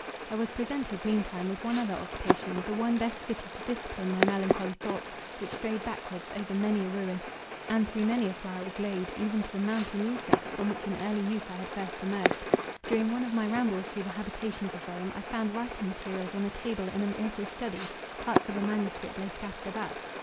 I was presented, meantime, with one other occupation, the one best fitted to discipline my melancholy thoughts, which strayed backwards, over many a ruin, and through many a flowery glade, even to the mountain recess, from which in early youth I had first emerged. During one of my rambles through the habitations of Rome, I found writing materials on a table in an author's study. Parts of a manuscript lay scattered about.